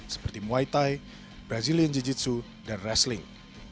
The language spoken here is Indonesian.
seperti muay thai brazilian jiu jitsu dan rasling